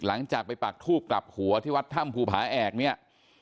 หลังจากไปปากทูบกลับหัวที่วัดถ้ำภูผาแอกเนี่ย